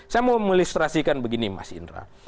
saya mau melistrasikan begini mas indra